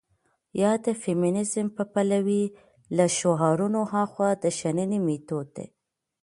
يا د فيمنيزم په پلوۍ له شعارونو هاخوا د شننې مېتود دى.